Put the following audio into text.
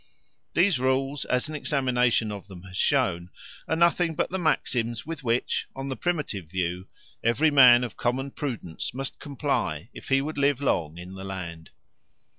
These rules, as an examination of them has shown, are nothing but the maxims with which, on the primitive view, every man of common prudence must comply if he would live long in the land.